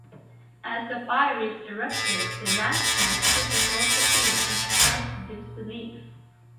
As the Pirates erupted, the Yankees stood across the field in stunned disbelief.